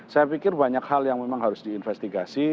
saya pikir banyak hal yang memang harus diinvestigasi